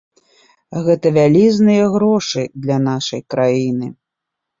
Гэта вялізныя грошы для нашай краіны!